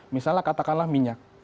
misalnya katakanlah minyak